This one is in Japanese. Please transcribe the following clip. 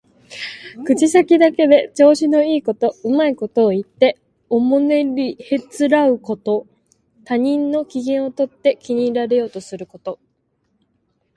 口先だけで調子のいいこと、うまいことを言っておもねりへつらうこと。他人の機嫌をとって気に入られようとすること。